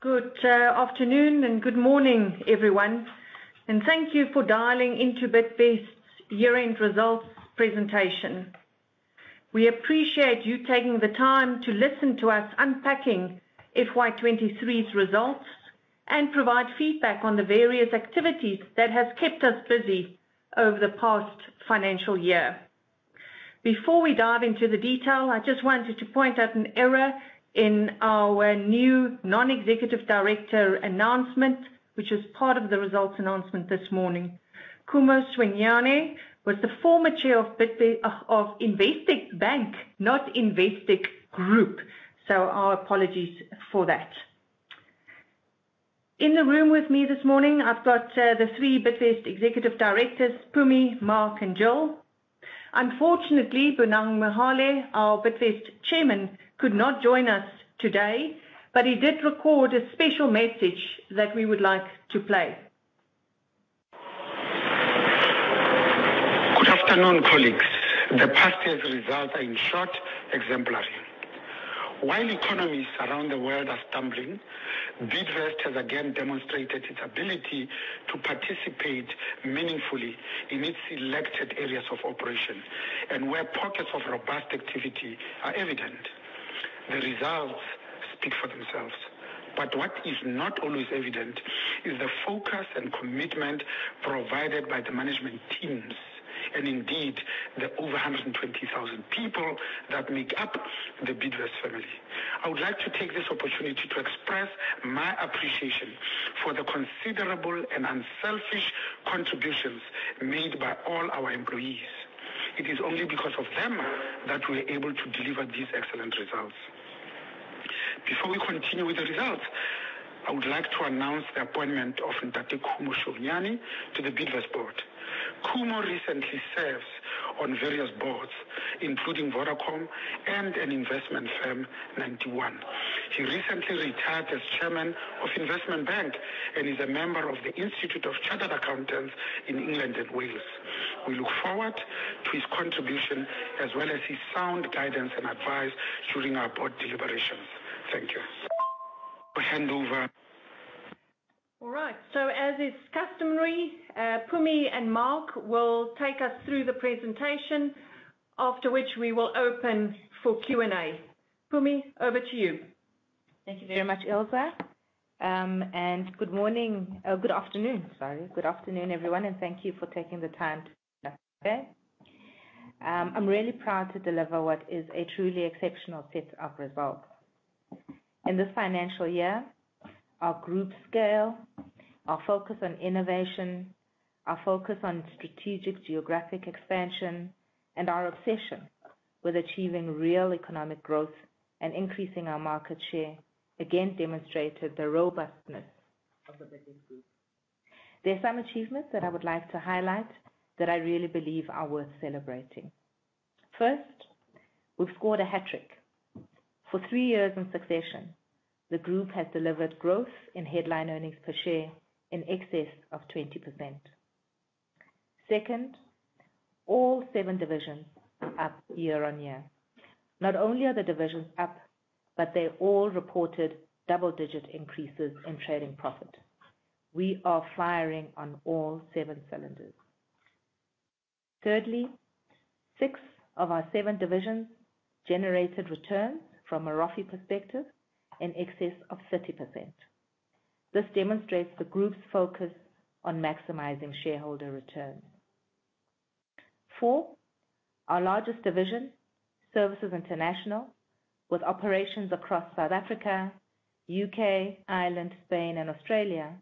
Good afternoon and good morning, everyone, and thank you for dialing into Bidvest's year-end results presentation. We appreciate you taking the time to listen to us unpacking FY 2023's results and provide feedback on the various activities that has kept us busy over the past financial year. Before we dive into the detail, I just wanted to point out an error in our new non-executive director announcement, which is part of the results announcement this morning. Khumo Shuenyane was the former Chair of Investec Bank, not Investec Group. So our apologies for that. In the room with me this morning, I've got the three Bidvest executive directors, Mpumi, Mark, and Gill. Unfortunately, Bonang Mohale, our Bidvest Chairman, could not join us today, but he did record a special message that we would like to play. Good afternoon, colleagues. The past year's results are, in short, exemplary. While economies around the world are stumbling, Bidvest has again demonstrated its ability to participate meaningfully in its selected areas of operation, and where pockets of robust activity are evident. The results speak for themselves, but what is not always evident is the focus and commitment provided by the management teams and indeed, the over 120,000 people that make up the Bidvest family. I would like to take this opportunity to express my appreciation for the considerable and unselfish contributions made by all our employees. It is only because of them that we're able to deliver these excellent results. Before we continue with the results, I would like to announce the appointment of Khumo Shuenyane to the Bidvest board. Khumo recently serves on various boards, including Vodacom and an investment firm, Ninety One. He recently retired as chairman of Investec Bank and is a member of the Institute of Chartered Accountants in England and Wales. We look forward to his contribution as well as his sound guidance and advice during our board deliberations. Thank you. I hand over. All right. As is customary, Mpumi and Mark will take us through the presentation, after which we will open for Q&A. Mpumi, over to you. Thank you very much, Ilze. Good morning, good afternoon. Sorry. Good afternoon, everyone, and thank you for taking the time to join us today. I'm really proud to deliver what is a truly exceptional set of results. In this financial year, our group scale, our focus on innovation, our focus on strategic geographic expansion, and our obsession with achieving real economic growth and increasing our market share, again demonstrated the robustness of the Bidvest Group. There are some achievements that I would like to highlight that I really believe are worth celebrating. First, we've scored a hat-trick. For three years in succession, the group has delivered growth in headline earnings per share in excess of 20%. Second, all seven divisions are up year on year. Not only are the divisions up, but they all reported double-digit increases in trading profit. We are firing on all 7 cylinders. Thirdly, 6 of our 7 divisions generated returns from a ROFE perspective in excess of 30%. This demonstrates the group's focus on maximizing shareholder return. Four, our largest division, Services International, with operations across South Africa, UK, Ireland, Spain and Australia,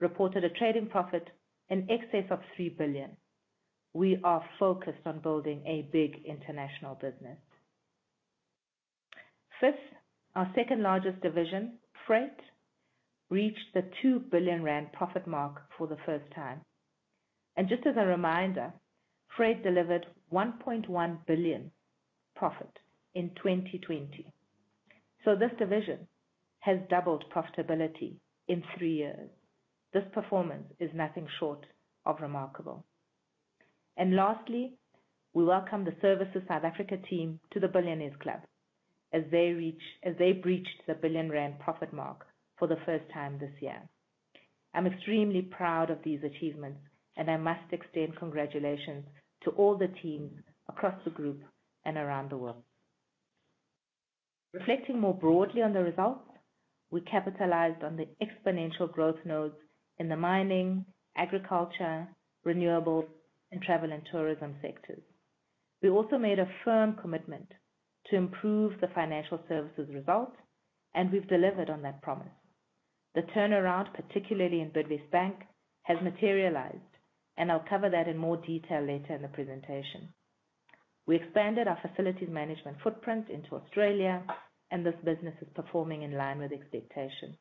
reported a trading profit in excess of 3 billion. We are focused on building a big international business. Fifth, our second-largest division, Freight, reached the 2 billion rand profit mark for the first time. And just as a reminder, Freight delivered 1.1 billion profit in 2020. So this division has doubled profitability in 3 years. This performance is nothing short of remarkable. And lastly, we welcome the Services South Africa team to the Billionaires Club as they reach—as they breached the 1 billion rand profit mark for the first time this year. I'm extremely proud of these achievements, and I must extend congratulations to all the teams across the group and around the world. Reflecting more broadly on the results, we capitalized on the exponential growth nodes in the mining, agriculture, renewables, and travel and tourism sectors. We also made a firm commitment to improve the financial services results, and we've delivered on that promise. The turnaround, particularly in Bidvest Bank, has materialized, and I'll cover that in more detail later in the presentation. We expanded our facilities management footprint into Australia, and this business is performing in line with expectations.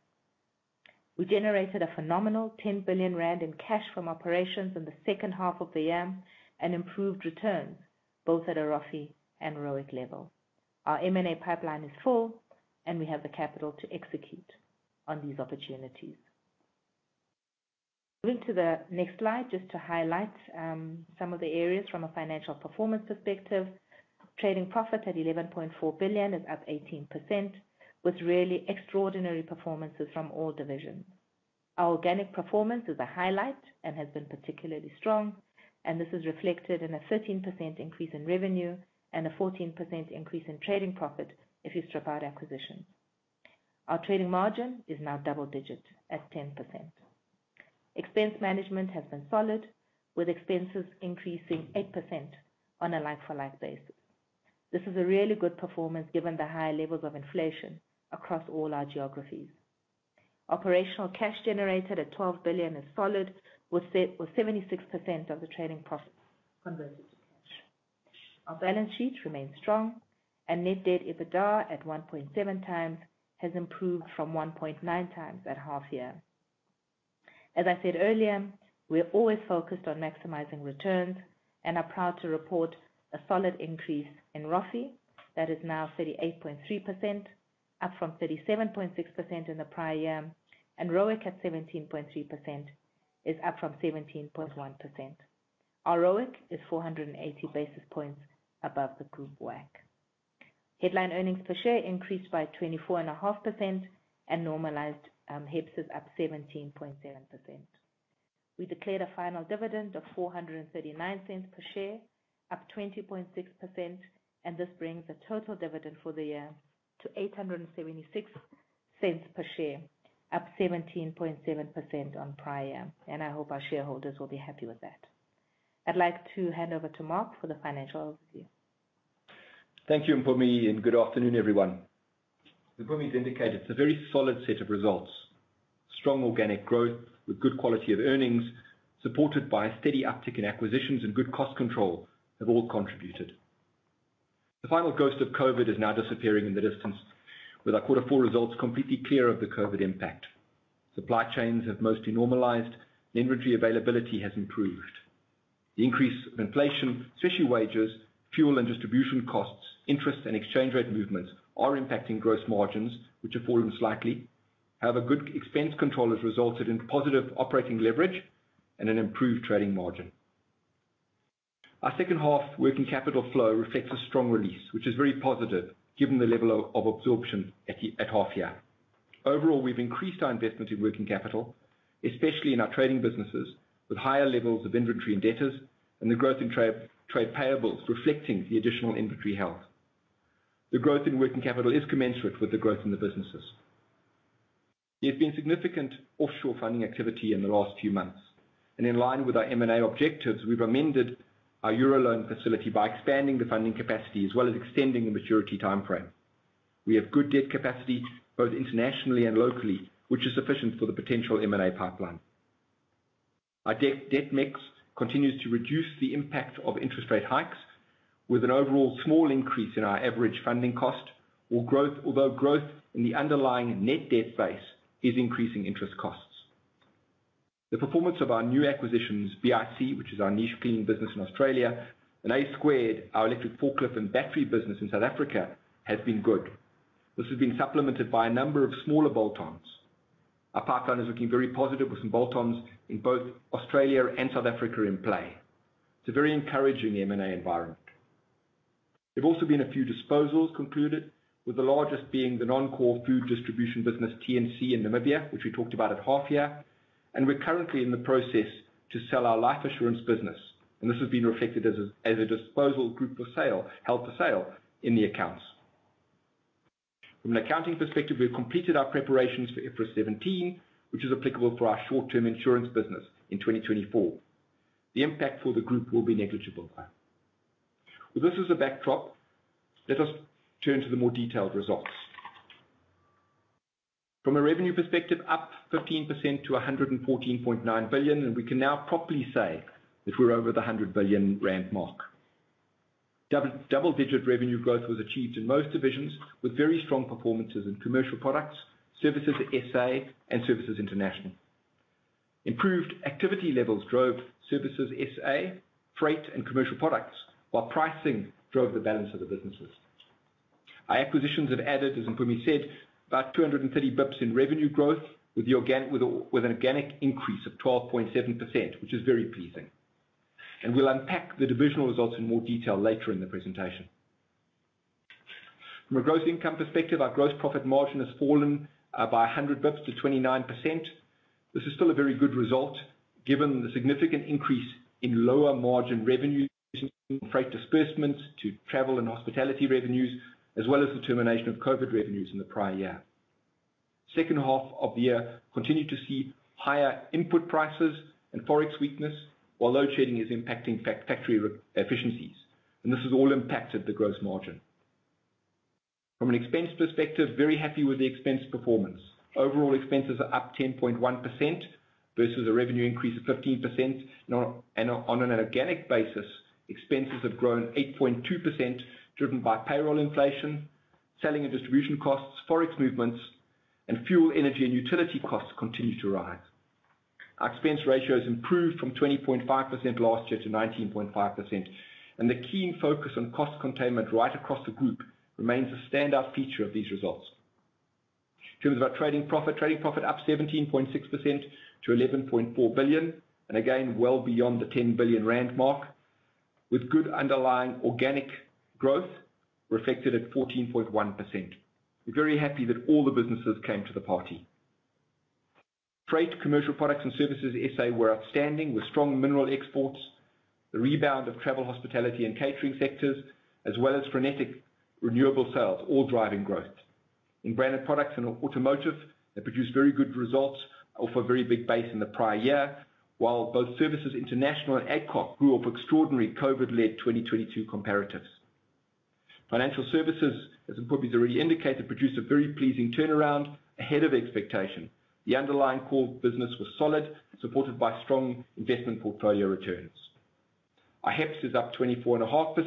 We generated a phenomenal 10 billion rand in cash from operations in the second half of the year and improved returns both at a ROFE and ROIC level. Our M&A pipeline is full, and we have the capital to execute on these opportunities... Moving to the next slide, just to highlight, some of the areas from a financial performance perspective. Trading profit at 11.4 billion is up 18%, with really extraordinary performances from all divisions. Our organic performance is a highlight and has been particularly strong, and this is reflected in a 13% increase in revenue and a 14% increase in trading profit if you strip out acquisitions. Our trading margin is now double digits at 10%. Expense management has been solid, with expenses increasing 8% on a like-for-like basis. This is a really good performance given the higher levels of inflation across all our geographies. Operational cash generated at 12 billion is solid, with 76% of the trading profits converted to cash. Our balance sheet remains strong and net debt, EBITDA at 1.7 times has improved from 1.9 times at half year. As I said earlier, we're always focused on maximizing returns and are proud to report a solid increase in ROFE, that is now 38.3%, up from 37.6% in the prior year, and ROIC at 17.3% is up from 17.1%. Our ROIC is 480 basis points above the group WACC. Headline earnings per share increased by 24.5%, and normalized, HEPS is up 17.7%. We declared a final dividend of 4.39 per share, up 20.6%, and this brings the total dividend for the year to 8.76 per share, up 17.7% on prior. I hope our shareholders will be happy with that. I'd like to hand over to Mark for the financial overview. Thank you, Mpumi, and good afternoon, everyone. As Mpumi has indicated, it's a very solid set of results. Strong organic growth with good quality of earnings, supported by a steady uptick in acquisitions and good cost control, have all contributed. The final ghost of COVID is now disappearing in the distance, with our Quarter Four results completely clear of the COVID impact. Supply chains have mostly normalized, and inventory availability has improved. The increase of inflation, especially wages, fuel and distribution costs, interest and exchange rate movements are impacting gross margins, which have fallen slightly. However, good expense control has resulted in positive operating leverage and an improved trading margin. Our second half working capital flow reflects a strong release, which is very positive given the level of absorption at half year. Overall, we've increased our investment in working capital, especially in our trading businesses, with higher levels of inventory and debtors, and the growth in trade payables reflecting the additional inventory health. The growth in working capital is commensurate with the growth in the businesses. There's been significant offshore funding activity in the last few months, and in line with our M&A objectives, we've amended our Euroloan facility by expanding the funding capacity as well as extending the maturity timeframe. We have good debt capacity, both internationally and locally, which is sufficient for the potential M&A pipeline. Our debt mix continues to reduce the impact of interest rate hikes with an overall small increase in our average funding cost or growth... Although growth in the underlying net debt base is increasing interest costs. The performance of our new acquisitions, BIC, which is our niche cleaning business in Australia, and A squared, our electric forklift and battery business in South Africa, has been good. This has been supplemented by a number of smaller bolt-ons. Our pipeline is looking very positive, with some bolt-ons in both Australia and South Africa in play. It's a very encouraging M&A environment. There've also been a few disposals concluded, with the largest being the non-core food distribution business, TNC in Namibia, which we talked about at half year, and we're currently in the process to sell our life assurance business. This has been reflected as a disposal group for sale, held for sale in the accounts. From an accounting perspective, we've completed our preparations for IFRS 17, which is applicable for our short-term insurance business in 2024. The impact for the group will be negligible. Well, this is the backdrop. Let us turn to the more detailed results. From a revenue perspective, up 15% to 114.9 billion, and we can now properly say that we're over the 100 billion rand mark. Double-digit revenue growth was achieved in most divisions, with very strong performances in commercial products, Services SA, and Services International. Improved activity levels drove Services SA, Freight, and Commercial Products, while pricing drove the balance of the businesses. Our acquisitions have added, as Mpumi said, about 230 basis points in revenue growth, with an organic increase of 12.7%, which is very pleasing. And we'll unpack the divisional results in more detail later in the presentation. From a gross income perspective, our gross profit margin has fallen by 100 basis points to 29%. This is still a very good result, given the significant increase in lower margin revenues, freight disbursements to travel and hospitality revenues, as well as the termination of COVID revenues in the prior year. Second half of the year continued to see higher input prices and Forex weakness, while load shedding is impacting factory efficiencies, and this has all impacted the gross margin. From an expense perspective, very happy with the expense performance. Overall, expenses are up 10.1% versus a revenue increase of 15%. And on an organic basis, expenses have grown 8.2%, driven by payroll inflation, selling and distribution costs, Forex movements, and fuel, energy, and utility costs continue to rise. Our expense ratio has improved from 20.5% last year to 19.5%, and the key focus on cost containment right across the group remains a standout feature of these results. In terms of our trading profit, trading profit up 17.6% to 11.4 billion, and again, well beyond the 10 billion rand mark, with good underlying organic growth reflected at 14.1%. We're very happy that all the businesses came to the party. Freight, commercial products and services, SA were outstanding with strong mineral exports, the rebound of travel, hospitality, and catering sectors, as well as frenetic renewable sales, all driving growth. In branded products and automotive, they produced very good results off a very big base in the prior year, while both Services International and Adcock grew off extraordinary COVID-led 2022 comparatives. Financial services, as we already indicated, produced a very pleasing turnaround ahead of expectation. The underlying core business was solid, supported by strong investment portfolio returns. Our HEPS is up 24.5%,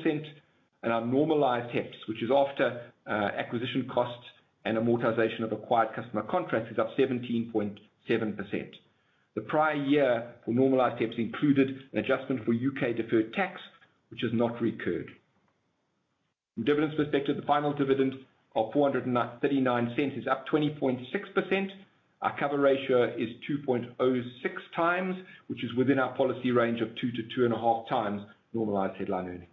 and our normalized HEPS, which is after, acquisition costs and amortization of acquired customer contracts, is up 17.7%. The prior year for normalized HEPS included an adjustment for U.K. deferred tax, which has not recurred. From dividends perspective, the final dividend of 4.39 is up 20.6%. Our cover ratio is 2.06 times, which is within our policy range of 2-2.5 times normalized headline earnings.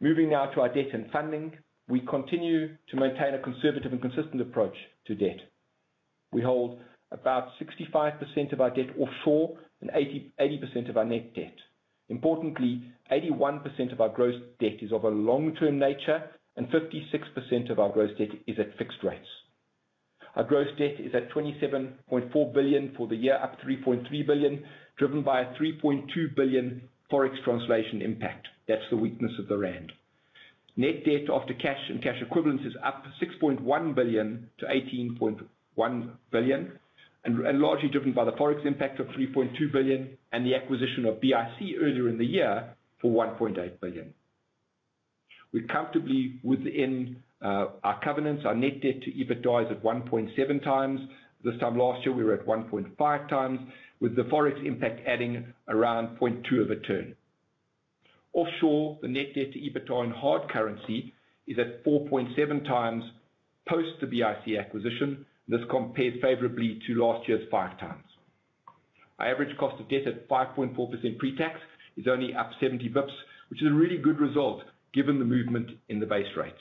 Moving now to our debt and funding. We continue to maintain a conservative and consistent approach to debt. We hold about 65% of our debt offshore and 80% of our net debt. Importantly, 81% of our gross debt is of a long-term nature, and 56% of our gross debt is at fixed rates. Our gross debt is at 27.4 billion for the year, up 3.3 billion, driven by a 3.2 billion Forex translation impact. That's the weakness of the rand. Net debt after cash and cash equivalents is up 6.1 billion to 18.1 billion, and largely driven by the Forex impact of 3.2 billion and the acquisition of BIC earlier in the year for 1.8 billion. We're comfortably within our covenants, our net debt to EBITDA is at 1.7 times. This time last year, we were at 1.5 times, with the Forex impact adding around 0.2 of a turn. Offshore, the net debt to EBITDA in hard currency is at 4.7 times post the BIC acquisition. This compares favorably to last year's 5 times. Our average cost of debt at 5.4% pre-tax is only up 70 basis points, which is a really good result given the movement in the base rates.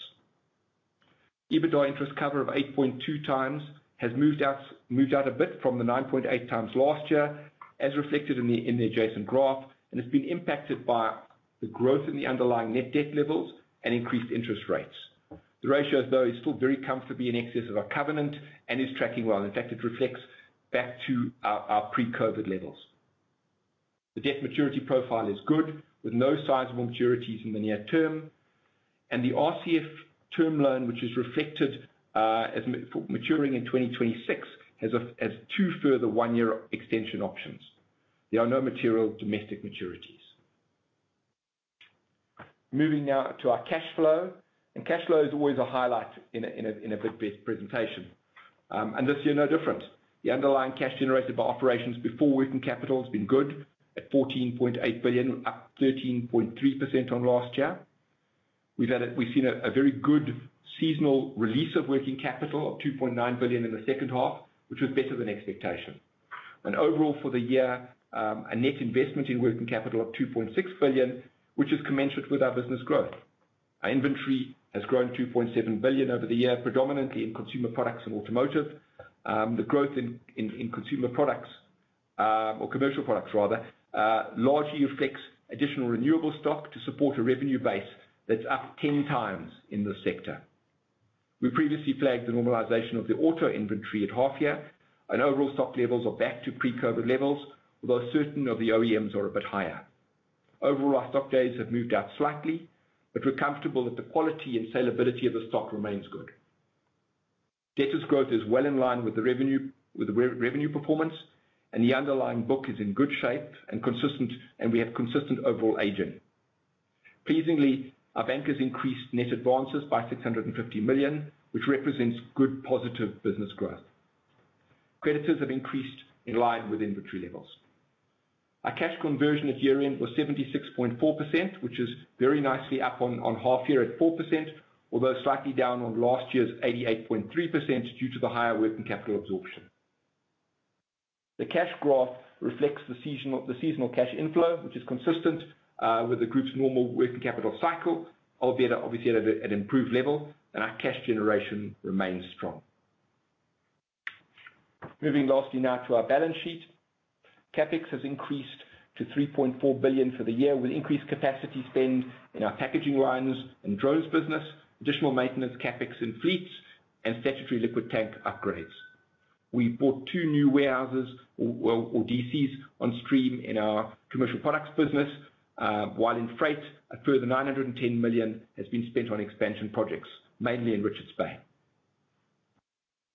EBITDA interest cover of 8.2 times has moved out a bit from the 9.8 times last year, as reflected in the adjacent graph, and has been impacted by the growth in the underlying net debt levels and increased interest rates. The ratio, though, is still very comfortably in excess of our covenant and is tracking well. In fact, it reflects back to our pre-COVID levels. The debt maturity profile is good, with no sizable maturities in the near term, and the RCF term loan, which is reflected as maturing in 2026, has two further one-year extension options. There are no material domestic maturities. Moving now to our cash flow, and cash flow is always a highlight in a big presentation. This year, no different. The underlying cash generated by operations before working capital has been good at 14.8 billion, up 13.3% on last year. We've seen a very good seasonal release of working capital of 2.9 billion in the second half, which was better than expectation. And overall, for the year, a net investment in working capital of 2.6 billion, which is commensurate with our business growth. Our inventory has grown 2.7 billion over the year, predominantly in consumer products and automotive. The growth in consumer products, or commercial products rather, largely reflects additional renewable stock to support a revenue base that's up 10 times in this sector. We previously flagged the normalization of the auto inventory at half year, and overall stock levels are back to pre-COVID levels, although certain of the OEMs are a bit higher. Overall, our stock days have moved out slightly, but we're comfortable that the quality and saleability of the stock remains good. Debtors growth is well in line with the revenue performance, and the underlying book is in good shape and consistent, and we have consistent overall aging. Pleasingly, our bankers increased net advances by 650 million, which represents good, positive business growth. Creditors have increased in line with inventory levels. Our cash conversion at year-end was 76.4%, which is very nicely up on half year at 4%, although slightly down on last year's 88.3% due to the higher working capital absorption. The cash growth reflects the seasonal cash inflow, which is consistent with the group's normal working capital cycle, albeit obviously at an improved level, and our cash generation remains strong. Moving lastly now to our balance sheet. CapEx has increased to 3.4 billion for the year, with increased capacity spend in our packaging lines and drones business, additional maintenance CapEx in fleets, and statutory liquid tank upgrades. We bought two new warehouses or DCs on stream in our commercial products business, while in freight, a further 910 million has been spent on expansion projects, mainly in Richards Bay.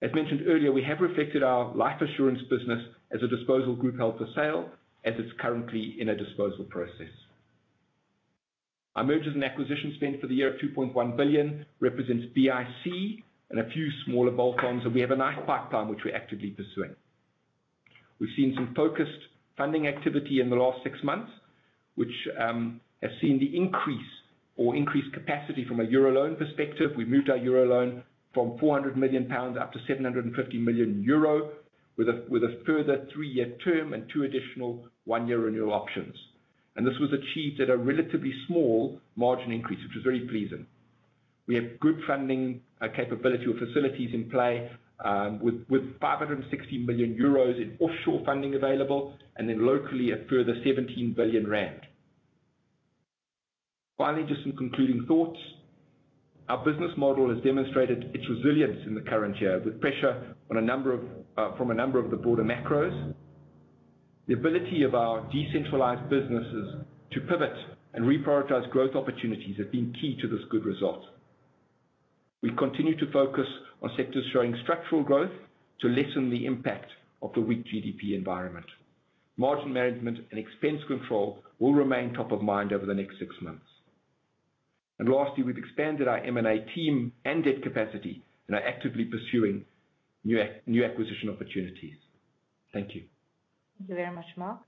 As mentioned earlier, we have reflected our life assurance business as a disposal group held for sale, as it's currently in a disposal process. Our mergers and acquisitions spend for the year of 2.1 billion represents BIC and a few smaller bolt-ons, and we have a nice pipeline which we're actively pursuing. We've seen some focused funding activity in the last six months, which has seen the increase or increased capacity from a Euroloan perspective. We moved our Euroloan from 400 million pounds up to 750 million euro, with a further 3-year term and 2 additional 1-year renewal options. This was achieved at a relatively small margin increase, which was very pleasing. We have good funding capability or facilities in play, with 560 million euros in offshore funding available, and then locally, a further 17 billion rand. Finally, just some concluding thoughts. Our business model has demonstrated its resilience in the current year, with pressure from a number of the broader macros. The ability of our decentralized businesses to pivot and reprioritize growth opportunities have been key to this good result. We continue to focus on sectors showing structural growth to lessen the impact of the weak GDP environment. Margin management and expense control will remain top of mind over the next six months. And lastly, we've expanded our M&A team and debt capacity, and are actively pursuing new acquisition opportunities. Thank you. Thank you very much, Mark.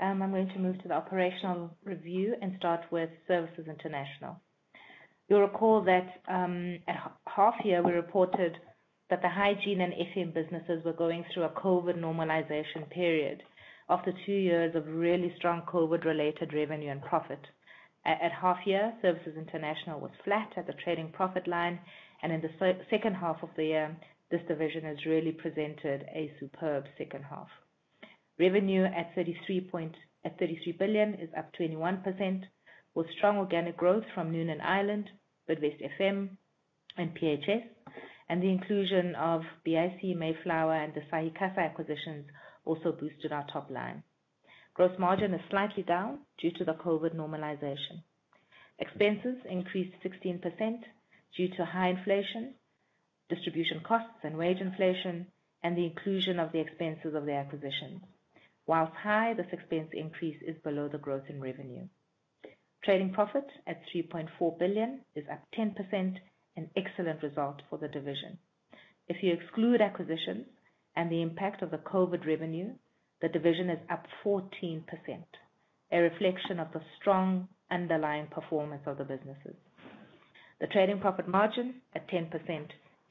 I'm going to move to the operational review and start with Services International. You'll recall that, at half year, we reported that the hygiene and FM businesses were going through a COVID normalization period, after two years of really strong COVID-related revenue and profit. At half year, Services International was flat at the trading profit line, and in the second half of the year, this division has really presented a superb second half. Revenue at 33 billion is up 21%, with strong organic growth from Noonan Ireland, Bidvest FM, and PHS, and the inclusion of BIC, Mayflower, and the Consolidated acquisitions, also boosted our top line. Gross margin is slightly down due to the COVID normalization. Expenses increased 16% due to high inflation, distribution costs and wage inflation, and the inclusion of the expenses of the acquisition. Whilst high, this expense increase is below the growth in revenue. Trading profit at 3.4 billion is up 10%, an excellent result for the division. If you exclude acquisitions and the impact of the COVID revenue, the division is up 14%, a reflection of the strong underlying performance of the businesses. The trading profit margin, at 10%,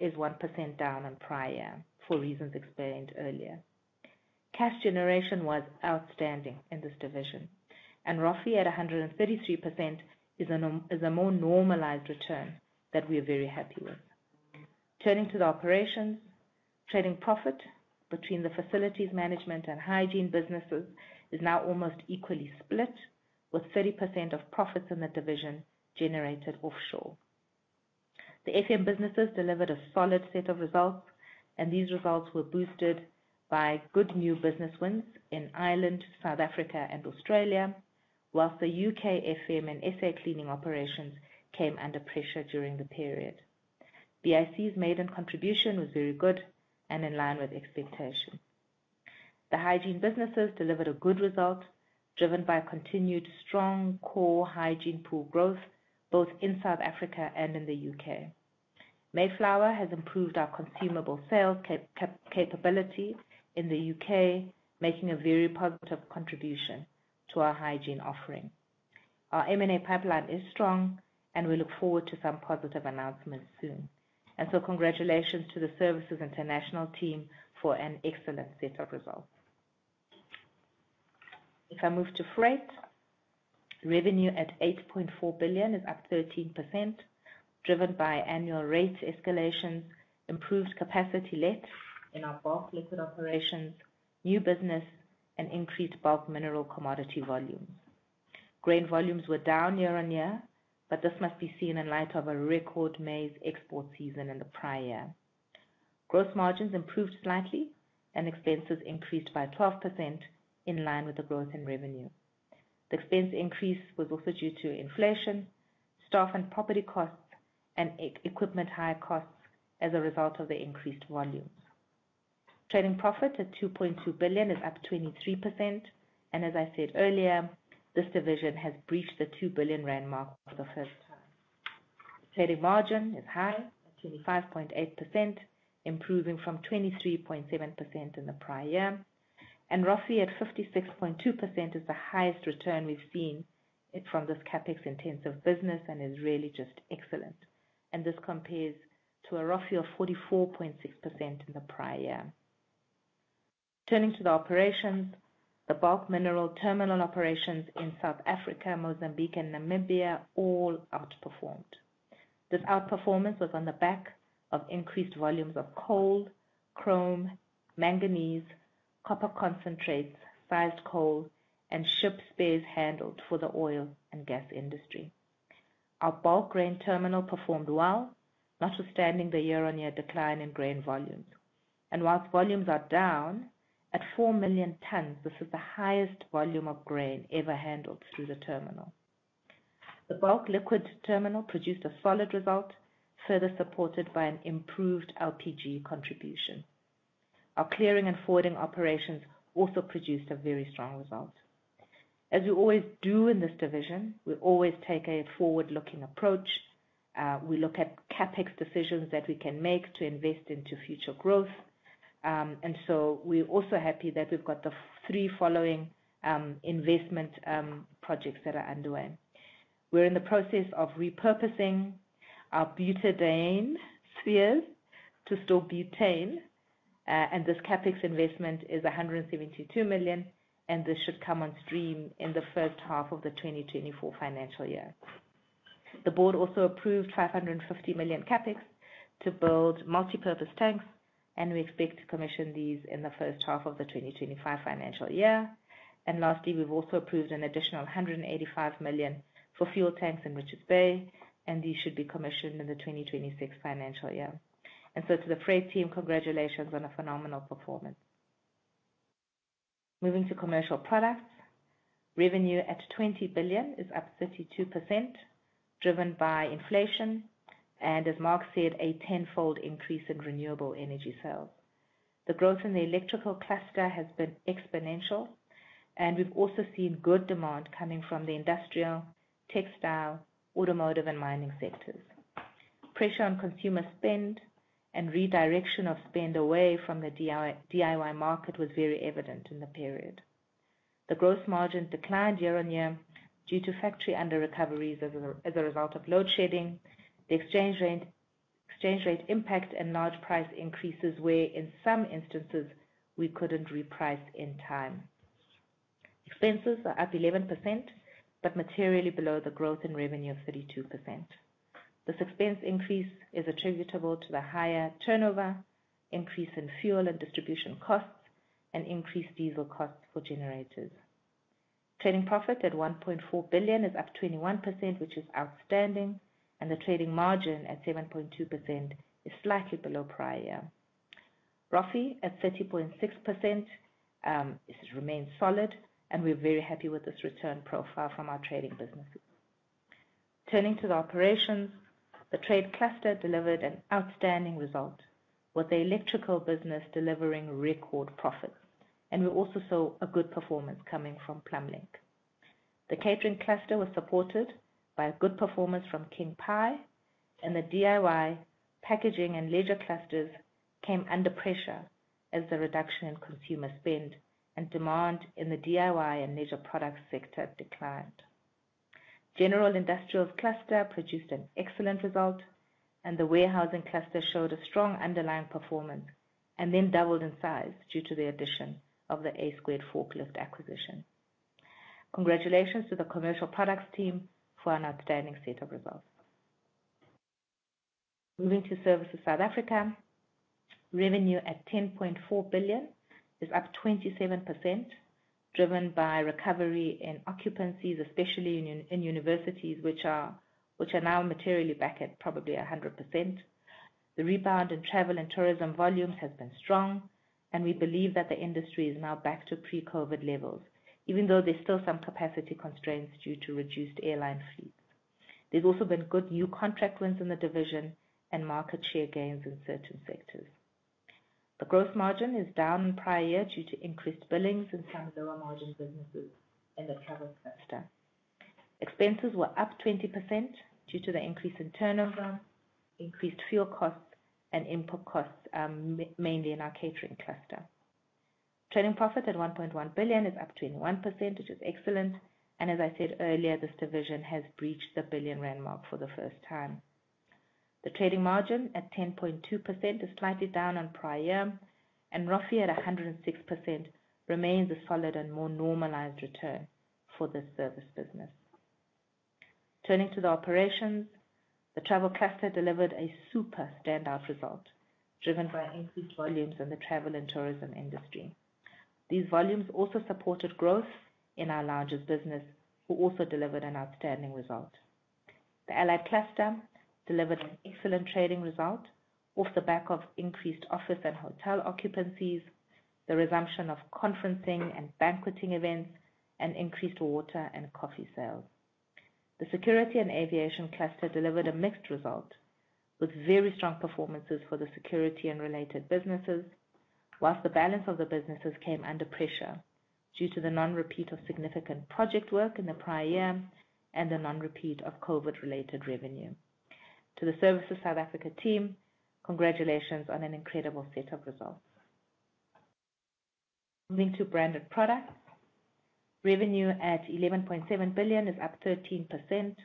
is 1% down on prior year for reasons explained earlier. Cash generation was outstanding in this division, and roughly at 133% is a more normalized return that we are very happy with. Turning to the operations, trading profit between the facilities management and hygiene businesses is now almost equally split, with 30% of profits in the division generated offshore. The FM businesses delivered a solid set of results, and these results were boosted by good new business wins in Ireland, South Africa, and Australia, while the U.K. FM and S.A. cleaning operations came under pressure during the period. BIC's maiden contribution was very good and in line with expectation. The hygiene businesses delivered a good result, driven by continued strong core hygiene pool growth, both in South Africa and in the U.K.. Mayflower has improved our consumable sales capability in the U.K., making a very positive contribution to our hygiene offering. Our M&A pipeline is strong, and we look forward to some positive announcements soon. Congratulations to the Services International team for an excellent set of results. If I move to freight, revenue at 8.4 billion is up 13%, driven by annual rates escalation, improved capacity utilisation in our bulk liquid operations, new business, and increased bulk mineral commodity volumes. Grain volumes were down year-on-year, but this must be seen in light of a record maize export season in the prior year. Gross margins improved slightly, and expenses increased by 12% in line with the growth in revenue. The expense increase was also due to inflation, staff and property costs, and equipment hire costs as a result of the increased volumes. Trading profit at 2.2 billion is up 23%, and as I said earlier, this division has breached the 2 billion rand mark for the first time. Trading margin is high, at 25.8%, improving from 23.7% in the prior year, and roughly at 56.2% is the highest return we've seen from this CapEx intensive business and is really just excellent. This compares to a roughly of 44.6% in the prior year. Turning to the operations, the bulk mineral terminal operations in South Africa, Mozambique and Namibia all outperformed. This outperformance was on the back of increased volumes of coal, chrome, manganese, copper concentrates, sized coal, and ship spares handled for the oil and gas industry. Our bulk grain terminal performed well, notwithstanding the year-over-year decline in grain volumes. Whilst volumes are down, at 4,000,000 tons, this is the highest volume of grain ever handled through the terminal. The bulk liquid terminal produced a solid result, further supported by an improved LPG contribution. Our clearing and forwarding operations also produced a very strong result, as we always do in this division, we always take a forward-looking approach. We look at CapEx decisions that we can make to invest into future growth. And so we're also happy that we've got the following three investment projects that are underway. We're in the process of repurposing our butadiene spheres to store butane, and this CapEx investment is 172 million, and this should come on stream in the first half of the 2024 financial year. The board also approved 550 million CapEx to build multipurpose tanks, and we expect to commission these in the first half of the 2025 financial year. And lastly, we've also approved an additional 185 million for fuel tanks in Richards Bay, and these should be commissioned in the 2026 financial year. And so to the freight team, congratulations on a phenomenal performance. Moving to commercial products. Revenue at 20 billion is up 32%, driven by inflation, and as Mark said, a tenfold increase in renewable energy sales. The growth in the electrical cluster has been exponential, and we've also seen good demand coming from the industrial, textile, automotive, and mining sectors. Pressure on consumer spend and redirection of spend away from the DIY market was very evident in the period. The growth margin declined year-on-year due to factory underrecoveries as a result of load shedding, the exchange rate impact, and large price increases, where in some instances we couldn't reprice in time. Expenses are up 11%, but materially below the growth in revenue of 32%. This expense increase is attributable to the higher turnover, increase in fuel and distribution costs, and increased diesel costs for generators. Trading profit at 1.4 billion is up 21%, which is outstanding, and the trading margin at 7.2% is slightly below prior year. ROFI at 30.6%, it remains solid, and we're very happy with this return profile from our trading businesses. Turning to the operations, the trade cluster delivered an outstanding result, with the electrical business delivering record profits. We also saw a good performance coming from Plumblink. The catering cluster was supported by a good performance from King Pie, and the DIY, packaging, and leisure clusters came under pressure as the reduction in consumer spend and demand in the DIY and leisure products sector declined. General Industrials cluster produced an excellent result, and the warehousing cluster showed a strong underlying performance and then doubled in size due to the addition of the A Squared forklift acquisition. Congratulations to the commercial products team for an outstanding set of results. Moving to Services South Africa. Revenue at 10.4 billion is up 27%, driven by recovery in occupancies, especially in universities, which are now materially back at probably 100%. The rebound in travel and tourism volumes has been strong, and we believe that the industry is now back to pre-COVID levels, even though there's still some capacity constraints due to reduced airline fleets. There's also been good new contract wins in the division and market share gains in certain sectors. The growth margin is down in prior year due to increased billings in some lower margin businesses in the travel cluster. Expenses were up 20% due to the increase in turnover, increased fuel costs and input costs, mainly in our catering cluster. Trading profit at 1.1 billion is up 21%, which is excellent, and as I said earlier, this division has breached the billion rand mark for the first time. The trading margin at 10.2% is slightly down on prior year, and ROFI at 106% remains a solid and more normalized return for this service business. Turning to the operations, the travel cluster delivered a super standout result, driven by increased volumes in the travel and tourism industry. These volumes also supported growth in our largest business, who also delivered an outstanding result. The allied cluster delivered an excellent trading result off the back of increased office and hotel occupancies, the resumption of conferencing and banqueting events, and increased water and coffee sales. The security and aviation cluster delivered a mixed result, with very strong performances for the security and related businesses, whilst the balance of the businesses came under pressure due to the non-repeat of significant project work in the prior year and the non-repeat of COVID-related revenue. To the Services South Africa team, congratulations on an incredible set of results. Moving to Branded Products. Revenue at 11.7 billion is up 13%,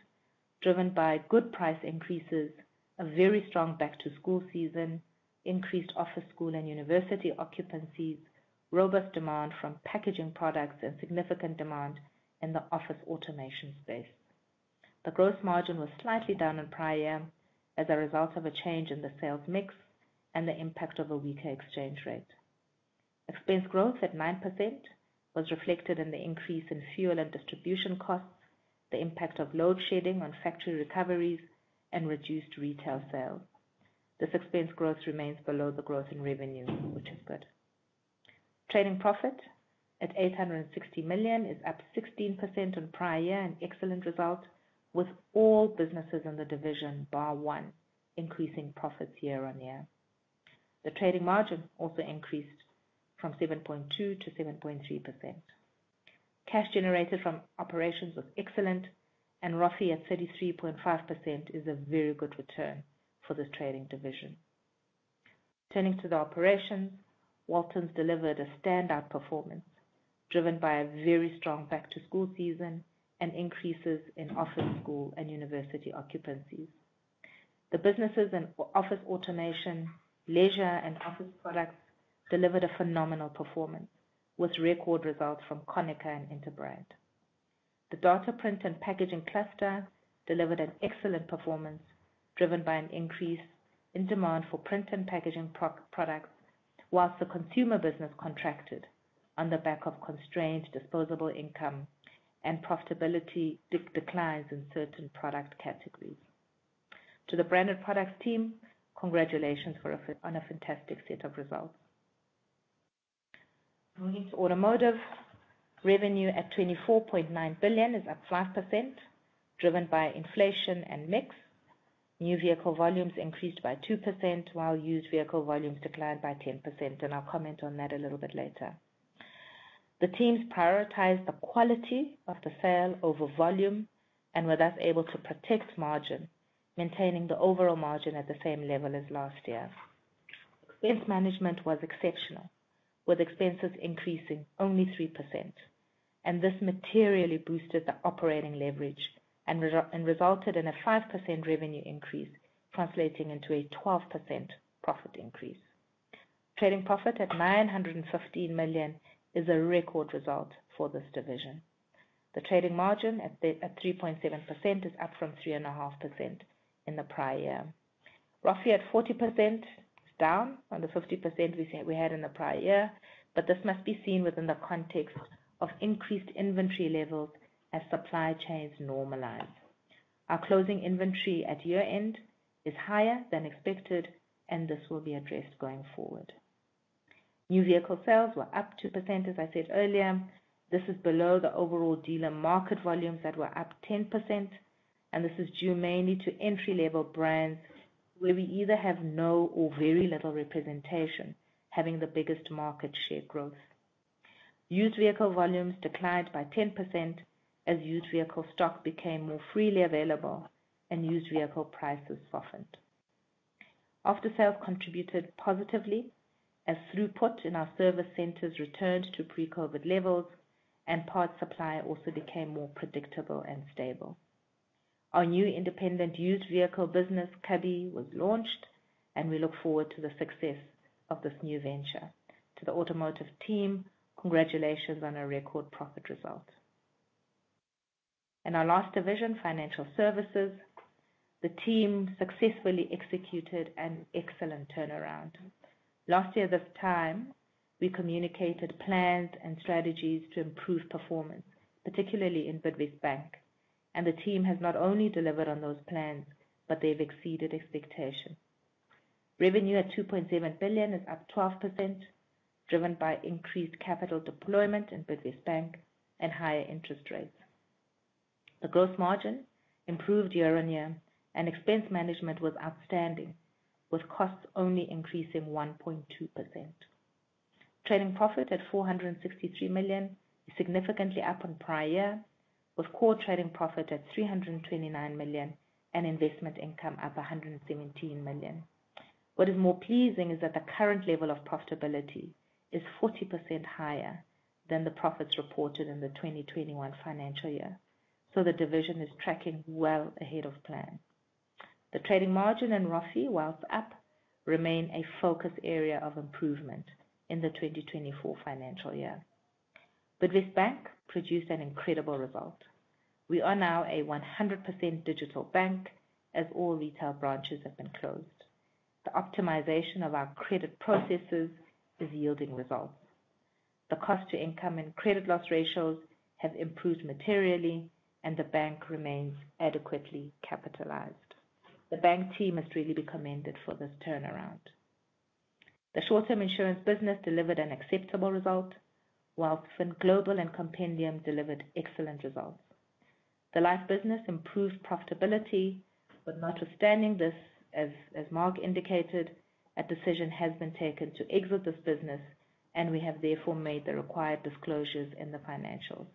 driven by good price increases, a very strong back-to-school season, increased office, school, and university occupancies, robust demand from packaging products, and significant demand in the office automation space. The gross margin was slightly down on prior year as a result of a change in the sales mix and the impact of a weaker exchange rate. Expense growth at 9% was reflected in the increase in fuel and distribution costs, the impact of load shedding on factory recoveries, and reduced retail sales. This expense growth remains below the growth in revenue, which is good. Trading profit at 860 million is up 16% on prior year, an excellent result with all businesses in the division, bar one, increasing profits year-on-year. The trading margin also increased from 7.2% to 7.3%. Cash generated from operations was excellent, and ROFE at 33.5% is a very good return for this trading division. Turning to the operations, Waltons delivered a standout performance, driven by a very strong back-to-school season and increases in office, school, and university occupancies. The businesses in office automation, leisure, and office products delivered a phenomenal performance, with record results from Konica and Interbrand. The Data, Print, and Packaging cluster delivered an excellent performance, driven by an increase in demand for print and packaging products, while the consumer business contracted on the back of constrained disposable income and profitability declines in certain product categories. To the branded products team, congratulations for a fantastic set of results. Moving to automotive, revenue at 24.9 billion is up 5%, driven by inflation and mix. New vehicle volumes increased by 2%, while used vehicle volumes declined by 10%, and I'll comment on that a little bit later. The teams prioritized the quality of the sale over volume and were thus able to protect margin, maintaining the overall margin at the same level as last year. Expense management was exceptional, with expenses increasing only 3%, and this materially boosted the operating leverage and resulted in a 5% revenue increase, translating into a 12% profit increase. Trading profit at 915 million is a record result for this division. The trading margin at 3.7% is up from 3.5% in the prior year. ROFI at 40% is down from the 50% we had in the prior year, but this must be seen within the context of increased inventory levels as supply chains normalize. Our closing inventory at year-end is higher than expected, and this will be addressed going forward. New vehicle sales were up 2%, as I said earlier. This is below the overall dealer market volumes that were up 10%, and this is due mainly to entry-level brands, where we either have no or very little representation, having the biggest market share growth. Used vehicle volumes declined by 10%, as used vehicle stock became more freely available and used vehicle prices softened. After-sales contributed positively as throughput in our service centers returned to pre-COVID levels, and parts supply also became more predictable and stable. Our new independent used vehicle business, Cubbi, was launched, and we look forward to the success of this new venture. To the automotive team, congratulations on a record profit result. In our last division, financial services, the team successfully executed an excellent turnaround. Last year, this time, we communicated plans and strategies to improve performance, particularly in Bidvest Bank, and the team has not only delivered on those plans, but they've exceeded expectations. Revenue at 2.7 billion is up 12%, driven by increased capital deployment in Bidvest Bank and higher interest rates. The growth margin improved year-on-year, and expense management was outstanding, with costs only increasing 1.2%. Trading profit at 463 million is significantly up on prior, with core trading profit at 329 million, and investment income up 117 million. What is more pleasing is that the current level of profitability is 40% higher than the profits reported in the 2021 financial year, so the division is tracking well ahead of plan. The trading margin in ROFI, while up, remain a focus area of improvement in the 2024 financial year. Bidvest Bank produced an incredible result. We are now a 100% digital bank, as all retail branches have been closed. The optimization of our credit processes is yielding results. The cost to income and credit loss ratios have improved materially, and the bank remains adequately capitalized. The bank team must really be commended for this turnaround. The short-term insurance business delivered an acceptable result, while FinGlobal and Compendium delivered excellent results. The life business improved profitability, but notwithstanding this, as Mark indicated, a decision has been taken to exit this business, and we have therefore made the required disclosures in the financials.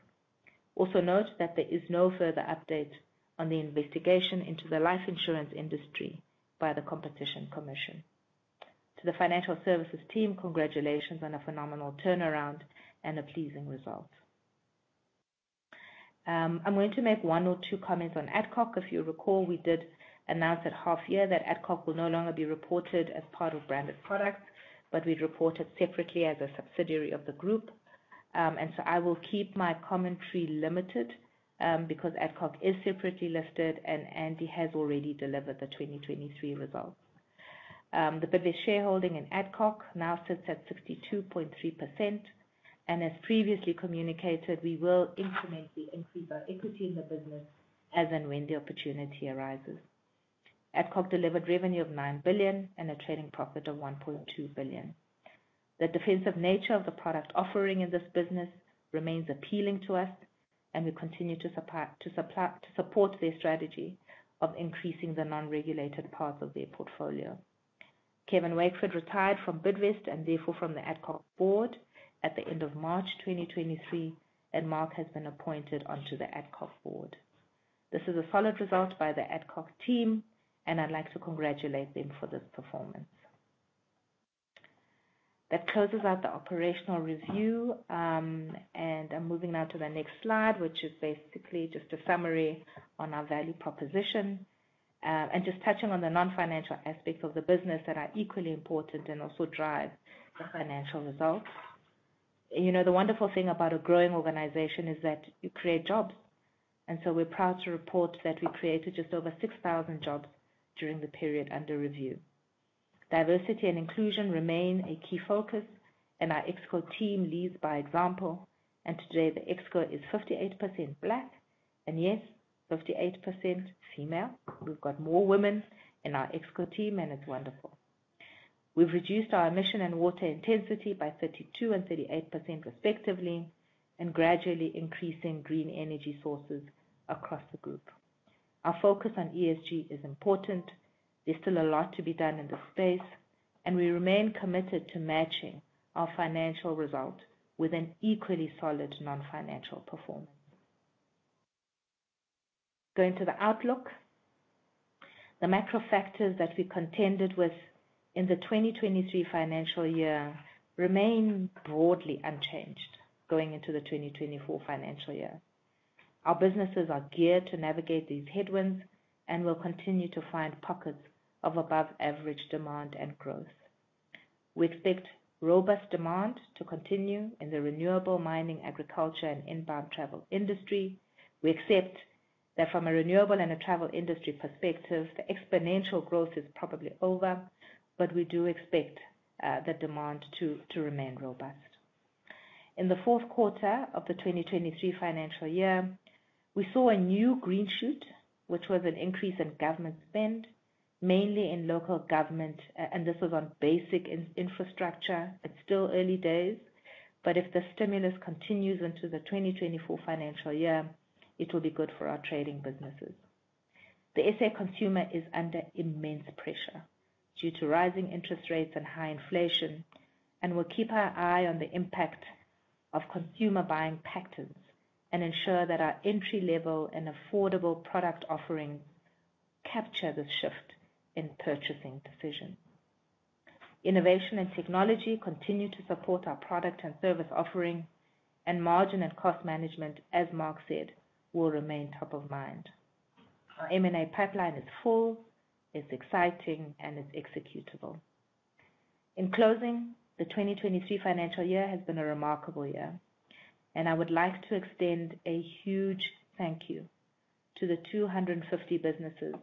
Also note that there is no further update on the investigation into the life insurance industry by the Competition Commission. To the financial services team, congratulations on a phenomenal turnaround and a pleasing result. I'm going to make one or two comments on Adcock. If you recall, we did announce at half year that Adcock will no longer be reported as part of branded products, but we'd report it separately as a subsidiary of the group. And so I will keep my commentary limited, because Adcock is separately listed, and Andy has already delivered the 2023 results. The Bidvest shareholding in Adcock now sits at 62.3%, and as previously communicated, we will increment the increase our equity in the business as and when the opportunity arises. Adcock delivered revenue of 9 billion and a trading profit of 1.2 billion. The defensive nature of the product offering in this business remains appealing to us, and we continue to support their strategy of increasing the non-regulated parts of their portfolio. Kevin Wakeford retired from Bidvest and therefore from the Adcock board at the end of March 2023, and Mark has been appointed onto the Adcock board. This is a solid result by the Adcock team, and I'd like to congratulate them for this performance. That closes out the operational review, and I'm moving now to the next slide, which is basically just a summary on our value proposition. And just touching on the non-financial aspects of the business that are equally important and also drive the financial results. You know, the wonderful thing about a growing organization is that you create jobs, and so we're proud to report that we created just over 6,000 jobs during the period under review. Diversity and inclusion remain a key focus, and our Exco team leads by example, and today the Exco is 58% Black, and yes, 58% female. We've got more women in our Exco team, and it's wonderful. We've reduced our emission and water intensity by 32% and 38%, respectively, and gradually increasing green energy sources across the group. Our focus on ESG is important. There's still a lot to be done in this space, and we remain committed to matching our financial result with an equally solid non-financial performance. Going to the outlook. The macro factors that we contended with in the 2023 financial year remain broadly unchanged going into the 2024 financial year. Our businesses are geared to navigate these headwinds and will continue to find pockets of above-average demand and growth. We expect robust demand to continue in the renewable, mining, agriculture, and inbound travel industry. We accept that from a renewable and a travel industry perspective, the exponential growth is probably over, but we do expect the demand to remain robust. In the fourth quarter of the 2023 financial year, we saw a new green shoot, which was an increase in government spend, mainly in local government, and this was on basic infrastructure. It's still early days, but if the stimulus continues into the 2024 financial year, it will be good for our trading businesses. The SA consumer is under immense pressure due to rising interest rates and high inflation, and we'll keep our eye on the impact of consumer buying patterns and ensure that our entry-level and affordable product offerings capture the shift in purchasing decisions. Innovation and technology continue to support our product and service offering, and margin and cost management, as Mark said, will remain top of mind. Our M&A pipeline is full, it's exciting, and it's executable. In closing, the 2023 financial year has been a remarkable year, and I would like to extend a huge thank you to the 250 businesses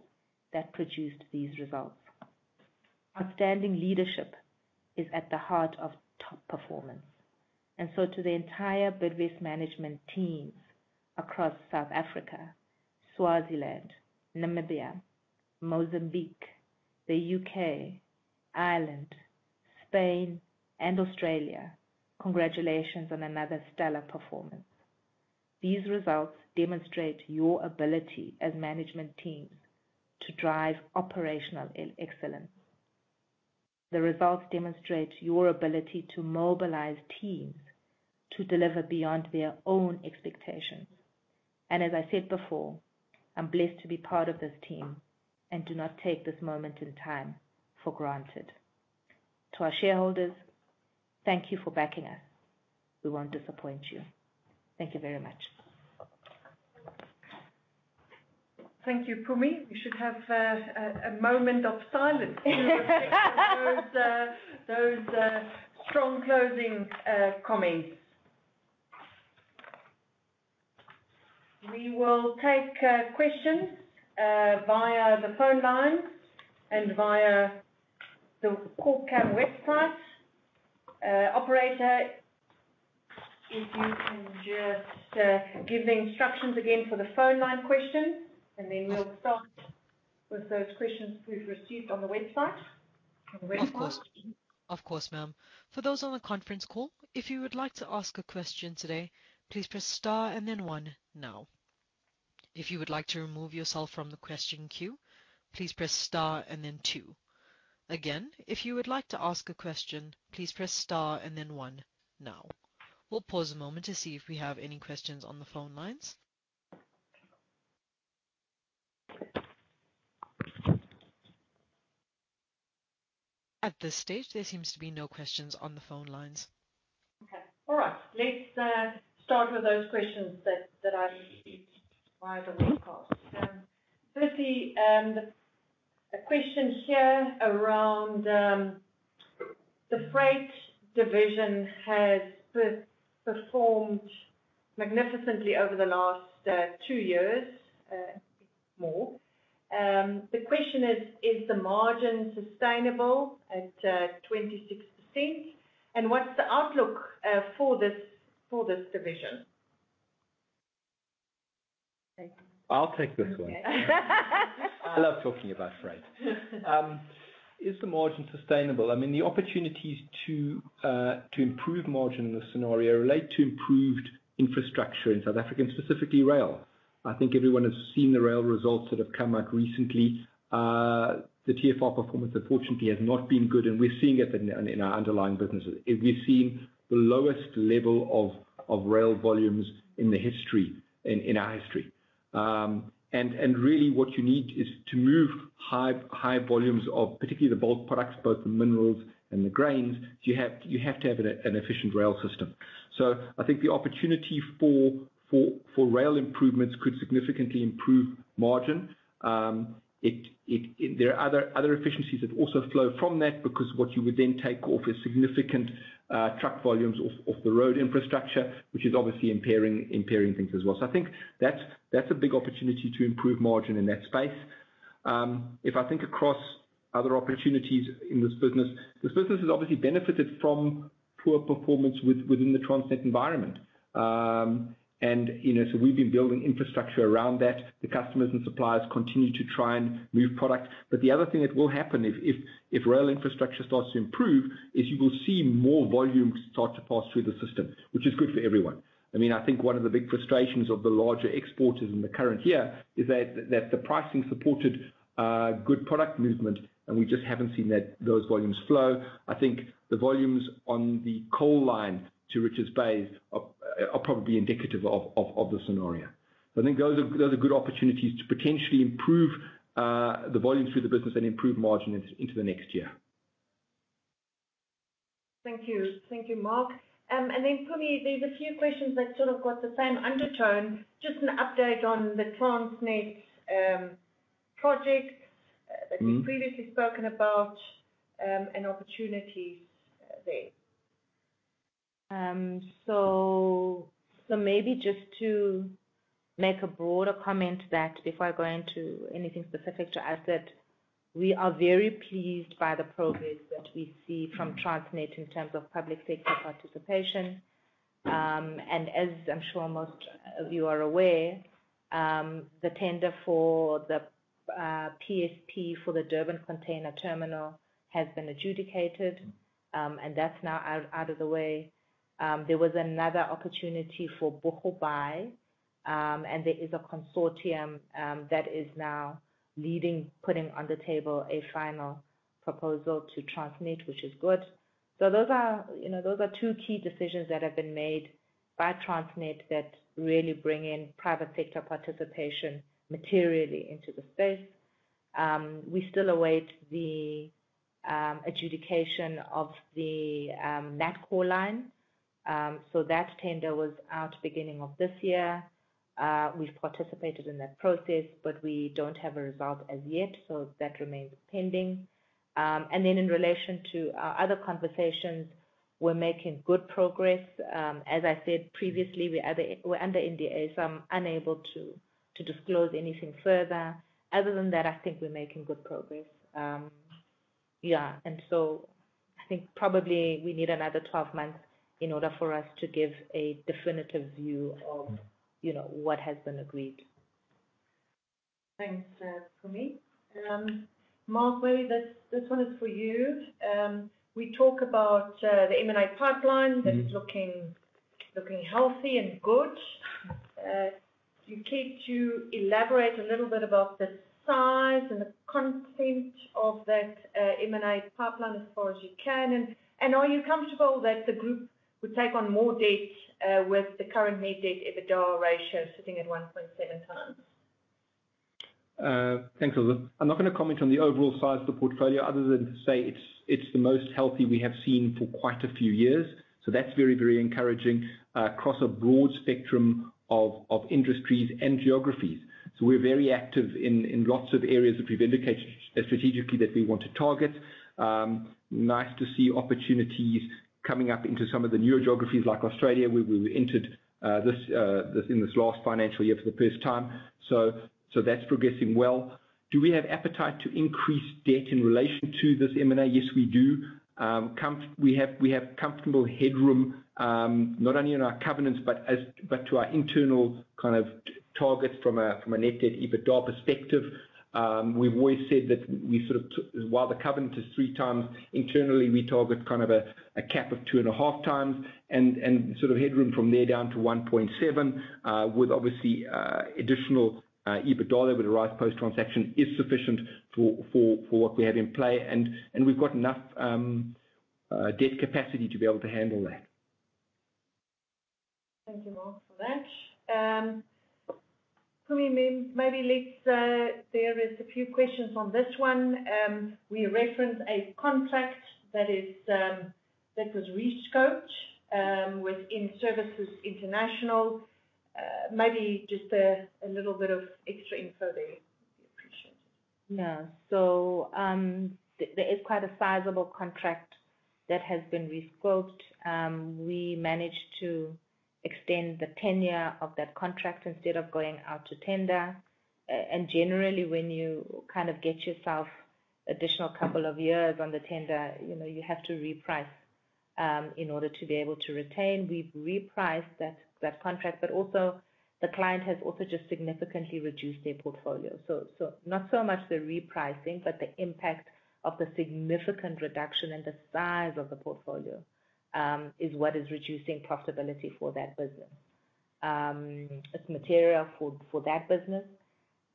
that produced these results. Outstanding leadership is at the heart of top performance, and so to the entire Bidvest management teams across South Africa, Swaziland, Namibia, Mozambique, the U.K., Ireland, Spain, and Australia, congratulations on another stellar performance. These results demonstrate your ability as management teams to drive operational excellence. The results demonstrate your ability to mobilize teams to deliver beyond their own expectations. As I said before, I'm blessed to be part of this team and do not take this moment in time for granted. To our shareholders, thank you for backing us. We won't disappoint you. Thank you very much. Thank you, Mpumi. We should have a moment of silence... Those, those strong closing comments. We will take questions via the phone line and via the Call Cam website. Operator, if you can just give the instructions again for the phone line questions, and then we'll start with those questions we've received on the website, on the website. Of course. Of course, ma'am. For those on the conference call, if you would like to ask a question today, please press star and then one now. If you would like to remove yourself from the question queue, please press star and then two. Again, if you would like to ask a question, please press star and then one now. We'll pause a moment to see if we have any questions on the phone lines. At this stage, there seems to be no questions on the phone lines. Okay. All right. Let's start with those questions that are via the website. Firstly, a question here around... The freight division has performed magnificently over the last two years, more. The question is: Is the margin sustainable at 26%? And what's the outlook for this division? I'll take this one. I love talking about freight. Is the margin sustainable? I mean, the opportunities to improve margin in this scenario relate to improved infrastructure in South Africa, and specifically rail. I think everyone has seen the rail results that have come out recently. The TFR performance unfortunately has not been good, and we're seeing it in our underlying businesses. We're seeing the lowest level of rail volumes in the history, in our history. And really, what you need is to move high volumes of particularly the bulk products, both the minerals and the grains. You have to have an efficient rail system. So I think the opportunity for rail improvements could significantly improve margin. There are other efficiencies that also flow from that, because what you would then take off is significant truck volumes off the road infrastructure, which is obviously impairing things as well. So I think that's a big opportunity to improve margin in that space. If I think across other opportunities in this business, this business has obviously benefited from poor performance within the Transnet environment. And, you know, so we've been building infrastructure around that. The customers and suppliers continue to try and move product. But the other thing that will happen if rail infrastructure starts to improve is you will see more volumes start to pass through the system, which is good for everyone. I mean, I think one of the big frustrations of the larger exporters in the current year is that the pricing supported good product movement, and we just haven't seen that, those volumes flow. I think the volumes on the coal line to Richards Bay are probably indicative of the scenario. So I think those are good opportunities to potentially improve the volume through the business and improve margin into the next year. Thank you. Thank you, Mark. And then, Mpumi, there's a few questions that sort of got the same undertone. Just an update on the Transnet project. Mm-hmm. that you previously spoken about, and opportunities there. So maybe just to make a broader comment that before I go into anything specific to asset, we are very pleased by the progress that we see from Transnet in terms of public sector participation. And as I'm sure most of you are aware, the tender for the PSP for the Durban Container Terminal has been adjudicated, and that's now out of the way. There was another opportunity for Boegoebaai, and there is a consortium that is now leading, putting on the table a final proposal to Transnet, which is good. So those are, you know, those are two key decisions that have been made by Transnet that really bring in private sector participation materially into the space. We still await the adjudication of the NatCor line. So that tender was out beginning of this year. We've participated in that process, but we don't have a result as yet, so that remains pending. And then in relation to our other conversations, we're making good progress. As I said previously, we are under, we're under NDA, so I'm unable to, to disclose anything further. Other than that, I think we're making good progress. Yeah, and so I think probably we need another 12 months in order for us to give a definitive view of, you know, what has been agreed. Thanks, Mpumi. Mark, maybe this, this one is for you. We talk about the M&A pipeline that is looking healthy and good. Do you care to elaborate a little bit about the size and the content of that M&A pipeline as far as you can? And are you comfortable that the group would take on more debt with the current net debt EBITDA ratio sitting at 1.7 times? Thanks, Elizabeth. I'm not gonna comment on the overall size of the portfolio other than to say it's the most healthy we have seen for quite a few years. So that's very, very encouraging across a broad spectrum of industries and geographies. So we're very active in lots of areas that we've indicated strategically that we want to target. Nice to see opportunities coming up into some of the newer geographies, like Australia, where we entered in this last financial year for the first time. So that's progressing well. Do we have appetite to increase debt in relation to this M&A? Yes, we do. We have comfortable headroom, not only in our covenants, but to our internal kind of targets from a net debt EBITDA perspective. We've always said that we sort of, while the covenant is 3 times, internally, we target kind of a cap of 2.5 times, and sort of headroom from there down to 1.7, with obviously additional EBITDA with a rise post-transaction is sufficient for what we have in play. And we've got enough debt capacity to be able to handle that. Thank you, Mark, for that. Mpumi, there is a few questions on this one. We reference a contract that was re-scoped within Services International. Maybe just a little bit of extra info there would be appreciated. Yeah. So, there is quite a sizable contract that has been re-scoped. We managed to extend the tenure of that contract instead of going out to tender. And generally, when you kind of get yourself additional couple of years on the tender, you know, you have to reprice in order to be able to retain, we've repriced that contract, but also the client has also just significantly reduced their portfolio. So not so much the repricing, but the impact of the significant reduction in the size of the portfolio is what is reducing profitability for that business. It's material for that business.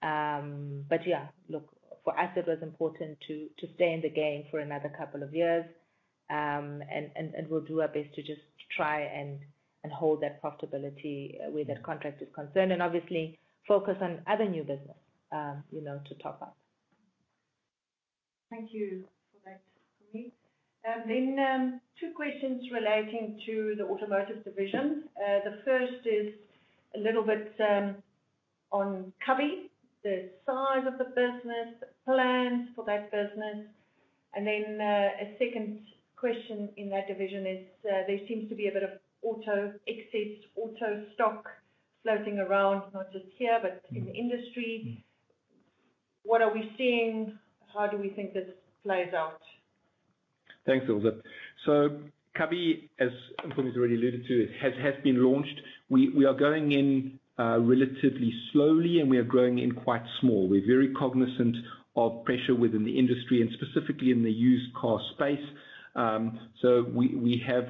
But yeah, look, for us, it was important to stay in the game for another couple of years. We'll do our best to just try and hold that profitability where that contract is concerned, and obviously focus on other new business, you know, to top up. Thank you for that, Mpumi. Then, two questions relating to the automotive division. The first is a little bit on Kabi, the size of the business, the plans for that business. And then, a second question in that division is, there seems to be a bit of auto excess, auto stock floating around, not just here, but in the industry. What are we seeing? How do we think this plays out? Thanks, Ilze. So Kabi, as Mpumi has already alluded to, has been launched. We are going in relatively slowly, and we are growing in quite small. We're very cognizant of pressure within the industry and specifically in the used car space. So we have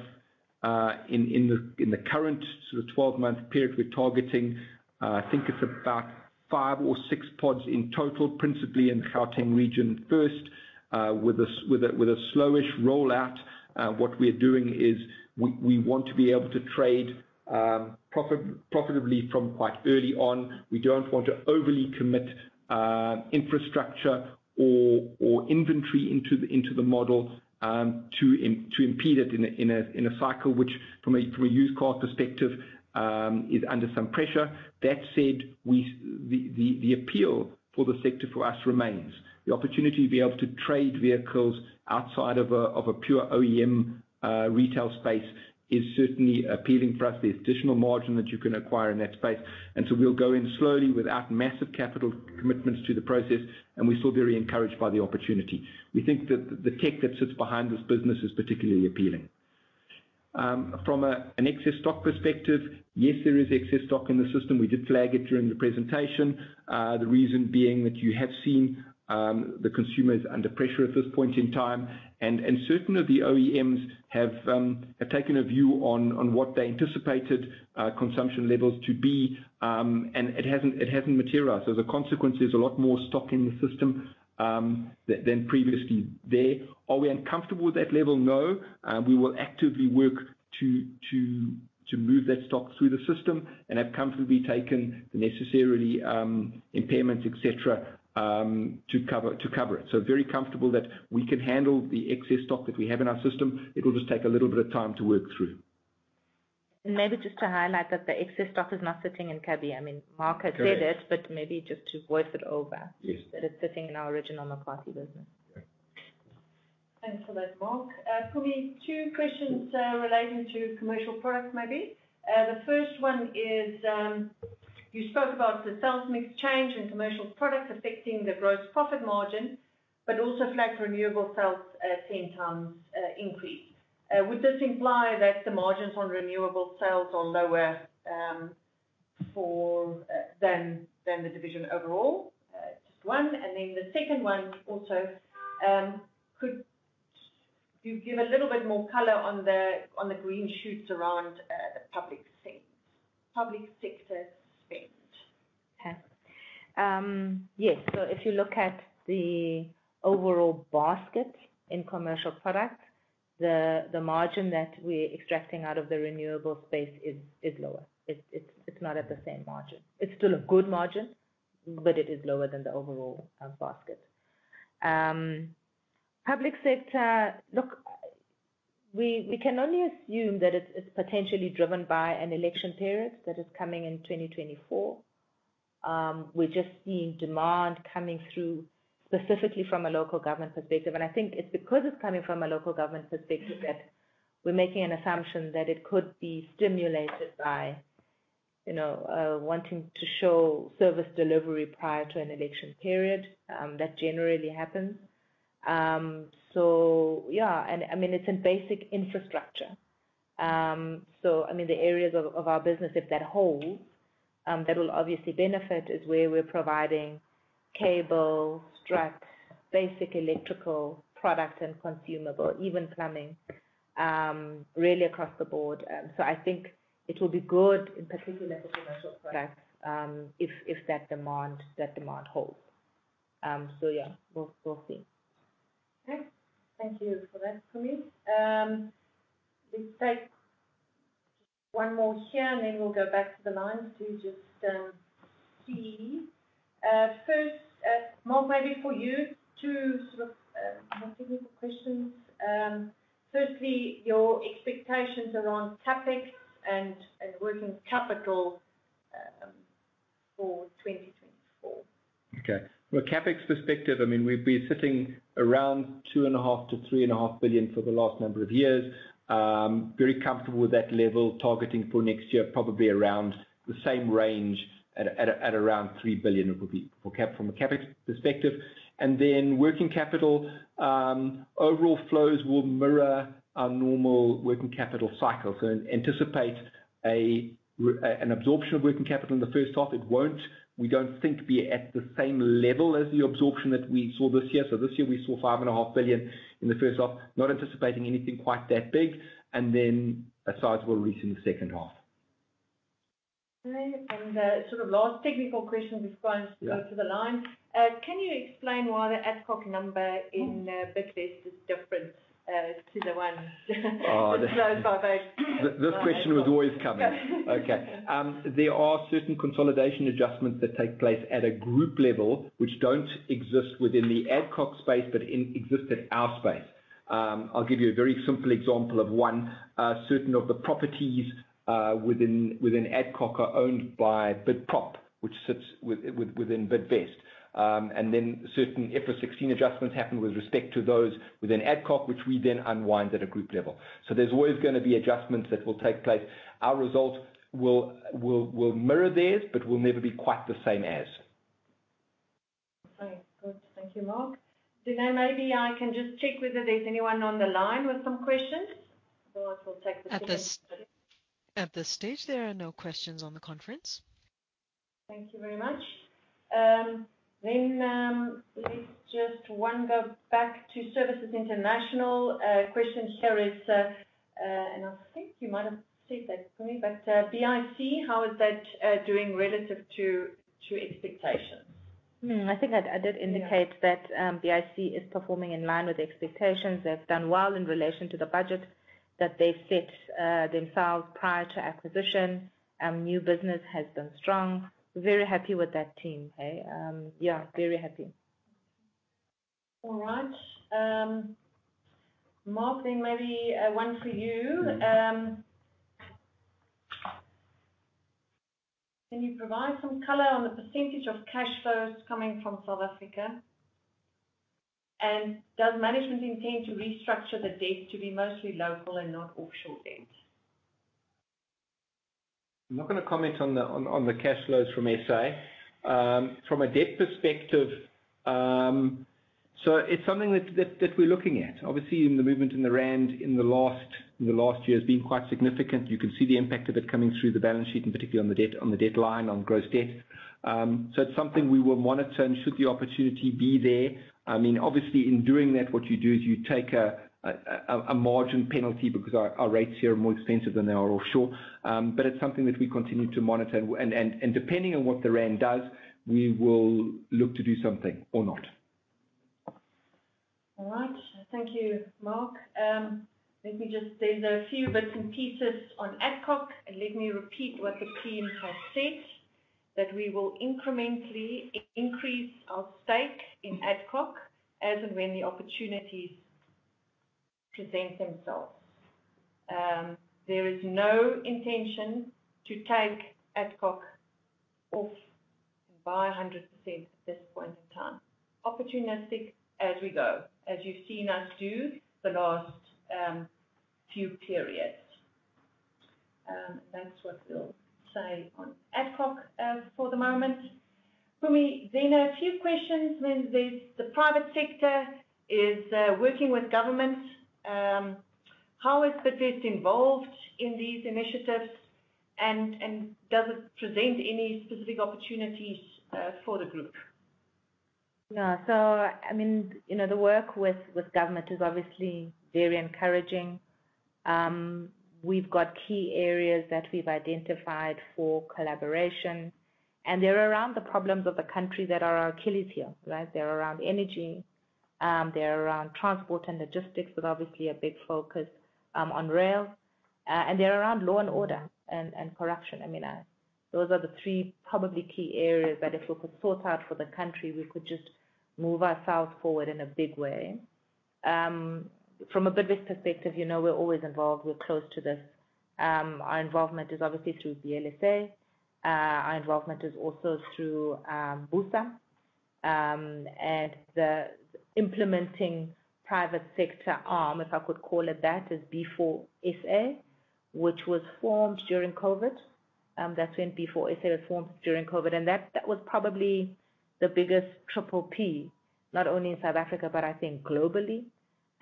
in the current sort of twelve-month period, we're targeting, I think it's about five or six pods in total, principally in Gauteng region first, with a slowish rollout. What we are doing is we want to be able to trade profitably from quite early on. We don't want to overly commit infrastructure or inventory into the model to impede it in a cycle which from a used car perspective is under some pressure. That said, the appeal for the sector for us remains. The opportunity to be able to trade vehicles outside of a pure OEM retail space is certainly appealing for us, the additional margin that you can acquire in that space. And so we'll go in slowly without massive capital commitments to the process, and we're still very encouraged by the opportunity. We think that the tech that sits behind this business is particularly appealing. From an excess stock perspective, yes, there is excess stock in the system. We did flag it during the presentation. The reason being that you have seen the consumers under pressure at this point in time, and certain of the OEMs have taken a view on what they anticipated consumption levels to be, and it hasn't materialized. So the consequence is a lot more stock in the system than previously there. Are we uncomfortable with that level? No. We will actively work to move that stock through the system and have comfortably taken the necessary impairments, et cetera, to cover it. So very comfortable that we can handle the excess stock that we have in our system. It will just take a little bit of time to work through. Maybe just to highlight that the excess stock is not sitting in Kabi. I mean, Mark has said it. Correct. but maybe just to voice it over. Yes. That it's sitting in our original McCarthy business. Great. Thanks for that, Mark. Mpumi, two questions relating to commercial products, maybe. The first one is, you spoke about the sales mix change in commercial products affecting the gross profit margin, but also flagged renewable sales at 10 times increase. Would this imply that the margins on renewable sales are lower than the division overall? Just one, and then the second one also, could you give a little bit more color on the green shoots around the public sector spend? Okay. Yes. So if you look at the overall basket in commercial products, the margin that we're extracting out of the renewable space is lower. It's not at the same margin. It's still a good margin, but it is lower than the overall basket. Public sector, look, we can only assume that it's potentially driven by an election period that is coming in 2024. We're just seeing demand coming through specifically from a local government perspective, and I think it's because it's coming from a local government perspective that we're making an assumption that it could be stimulated by, you know, wanting to show service delivery prior to an election period. That generally happens. So yeah, and I mean, it's in basic infrastructure. So I mean, the areas of our business, if that holds, that will obviously benefit, is where we're providing cable, strut, basic electrical products and consumable, even plumbing, really across the board. So yeah, we'll see. Okay. Thank you for that, Mpumi. Let's take one more here, and then we'll go back to the lines to just see. First, Mark, maybe for you to sort of multiple questions. Firstly, your expectations around CapEx and working capital for 2024. Okay. Well, CapEx perspective, I mean, we've been sitting around 2.5 billion-3.5 billion for the last number of years. Very comfortable with that level, targeting for next year, probably around the same range around 3 billion, it would be, from a CapEx perspective. And then working capital, overall flows will mirror our normal working capital cycle. So anticipate an absorption of working capital in the first half. It won't, we don't think, be at the same level as the absorption that we saw this year. So this year we saw 5.5 billion in the first half. Not anticipating anything quite that big, and then a sizable release in the second half. Okay. And, sort of last technical question before I just go to the line. Yeah. Can you explain why the Adcock number in Bidvest is different to the one? Oh, the- Closed by those? This question was always coming. Yes. Okay. There are certain consolidation adjustments that take place at a group level, which don't exist within the Adcock space, but exist at our space. I'll give you a very simple example of one. Certain of the properties within Adcock are owned by Bid Prop, which sits within Bidvest. And then certain IFRS 16 adjustments happen with respect to those within Adcock, which we then unwind at a group level. So there's always gonna be adjustments that will take place. Our results will mirror theirs, but will never be quite the same as. Okay, good. Thank you, Mark. Then maybe I can just check whether there's anyone on the line with some questions. Otherwise, we'll take the- At this stage, there are no questions on the conference. Thank you very much. Then, let's just go back to Services International. Question here is, and I think you might have said that, Mpumi, but, BIC, how is that doing relative to expectations? I think I did indicate- Yeah... that BIC is performing in line with the expectations. They've done well in relation to the budget that they set themselves prior to acquisition. New business has been strong. Very happy with that team, hey. Yeah, very happy. All right. Mark, then maybe one for you. Can you provide some color on the percentage of cash flows coming from South Africa? And does management intend to restructure the debt to be mostly local and not offshore debt? I'm not gonna comment on the cash flows from S.A. From a debt perspective, so it's something that we're looking at. Obviously, in the movement in the rand in the last year has been quite significant. You can see the impact of it coming through the balance sheet, and particularly on the debt line, on gross debt. So it's something we will monitor, and should the opportunity be there... I mean, obviously, in doing that, what you do is you take a margin penalty because our rates here are more expensive than they are offshore. But it's something that we continue to monitor. And depending on what the rand does, we will look to do something or not. All right. Thank you, Mark. Let me just... There's a few bits and pieces on Adcock, and let me repeat what the team has said, that we will incrementally increase our stake in Adcock as and when the opportunities present themselves. There is no intention to take Adcock off by 100% at this point in time. Opportunistic as we go, as you've seen us do the last few periods. That's what we'll say on Adcock, for the moment. Mpumi, then a few questions. When the private sector is working with government, how is Bidvest involved in these initiatives? And does it present any specific opportunities, for the group? Yeah. So I mean, you know, the work with government is obviously very encouraging. We've got key areas that we've identified for collaboration, and they're around the problems of the country that are our Achilles heel, right? They're around energy, they're around transport and logistics, with obviously a big focus on rail, and they're around law and order and corruption. I mean, those are the three probably key areas that if we could sort out for the country, we could just move ourselves forward in a big way. From a Bidvest perspective, you know, we're always involved. We're close to this. Our involvement is obviously through BLSA. Our involvement is also through BUSA. And the implementing private sector arm, if I could call it that, is B4SA, which was formed during COVID. That's when B4SA was formed, during COVID. And that, that was probably the biggest triple P, not only in South Africa, but I think globally.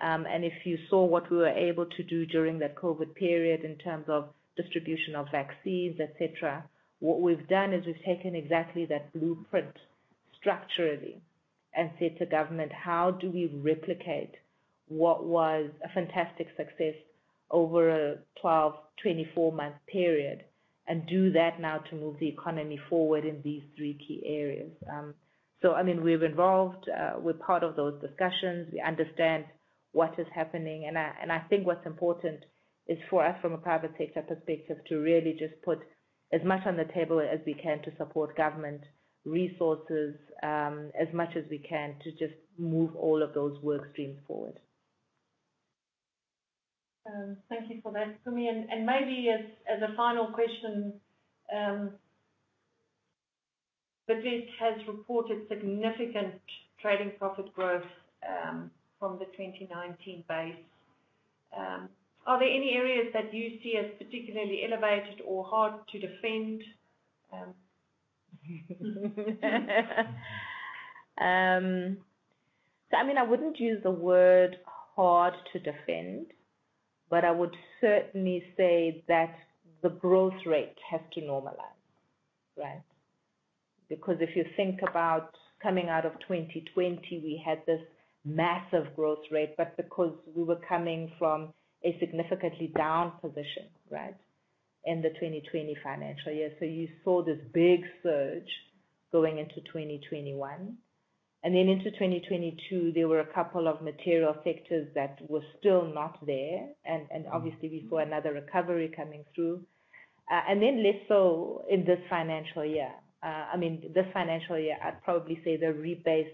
And if you saw what we were able to do during that COVID period in terms of distribution of vaccines, et cetera, what we've done is we've taken exactly that blueprint structurally and said to government: How do we replicate what was a fantastic success over a 12-24 month period, and do that now to move the economy forward in these three key areas? So I mean, we're involved, we're part of those discussions. We understand what is happening, and I, and I think what's important is for us, from a private sector perspective, to really just put as much on the table as we can to support government resources, as much as we can, to just move all of those work streams forward. Thank you for that Mpumi. And maybe as a final question, the Fed has reported significant trading profit growth from the 2019 base. Are there any areas that you see as particularly elevated or hard to defend? So I mean, I wouldn't use the word hard to defend, but I would certainly say that the growth rate has to normalize, right? Because if you think about coming out of 2020, we had this massive growth rate, but because we were coming from a significantly down position, right, in the 2020 financial year. So you saw this big surge going into 2021, and then into 2022, there were a couple of material sectors that were still not there. And, and obviously we saw another recovery coming through. And then less so in this financial year. I mean, this financial year, I'd probably say the rebase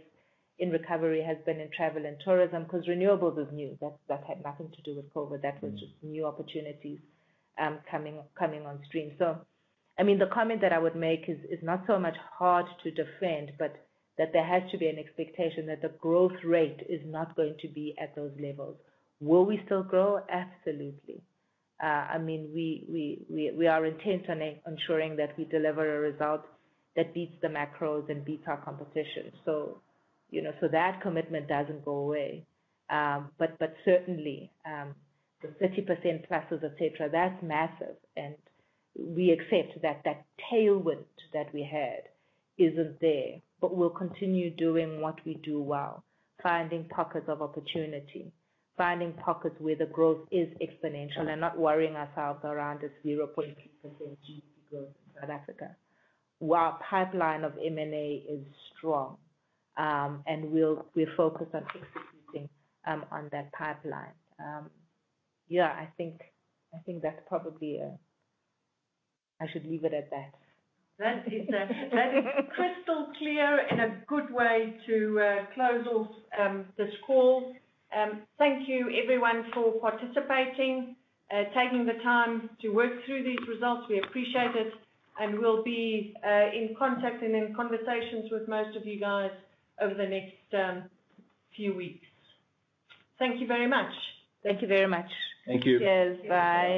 in recovery has been in travel and tourism, because renewables is new. That, that had nothing to do with COVID. That was just new opportunities, coming on stream. So, I mean, the comment that I would make is not so much hard to defend, but that there has to be an expectation that the growth rate is not going to be at those levels. Will we still grow? Absolutely. I mean, we are intent on ensuring that we deliver a result that beats the macros and beats our competition. So, you know, so that commitment doesn't go away. But certainly, the 30%+, et cetera, that's massive, and we accept that that tailwind that we had isn't there. But we'll continue doing what we do well, finding pockets of opportunity, finding pockets where the growth is exponential and not worrying ourselves around this 0.2% GDP growth in South Africa. Our pipeline of M&A is strong, and we'll, we're focused on executing on that pipeline Yeah, I think, I think that's probably. I should leave it at that. That is, that is crystal clear and a good way to close off this call. Thank you everyone for participating, taking the time to work through these results. We appreciate it, and we'll be in contact and in conversations with most of you guys over the next few weeks. Thank you very much. Thank you very much. Thank you. Cheers. Bye.